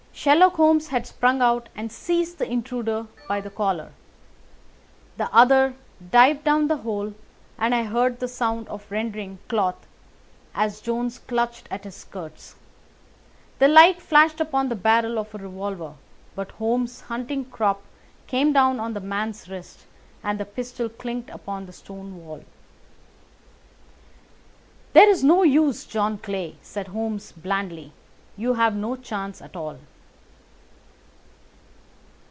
Sherlock Holmes had sprung out and seized the intruder by the collar. The other dived down the hole, and I heard the sound of rending cloth as Jones clutched at his skirts. The light flashed upon the barrel of a revolver, but Holmes' hunting crop came down on the man's wrist, and the pistol clinked upon the stone floor. "It's no use, John Clay," said Holmes blandly. "You have no chance at all."